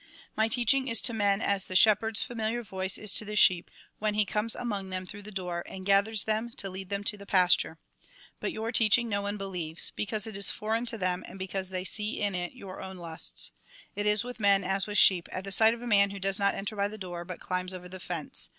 " My teachiag is to men as the shepherd's familiar voice is to the sheep, when he comes among them through the door, and gathers them, to lead them to the pasture. But your teaching, no one believes ; be cause it is foreign to them, and because they see in it your own lusts. It is with men as with sheep, at the sight of a man who does not enter by the door, but climbs over the fence.